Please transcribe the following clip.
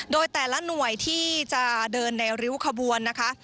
โดยแต่ละหน่วยที่จะเดินในริ้วขบวนนะคะ